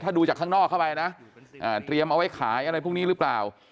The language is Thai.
ถ้าดูจากข้างนอกเข้าไปนะเตรียมเอาไว้ขายอะไรพวกนี้หรือเปล่า